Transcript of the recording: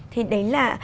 thì đấy là